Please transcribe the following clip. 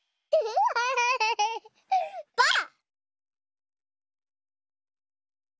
ばあっ！